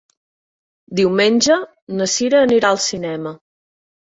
Diumenge na Sira anirà al cinema.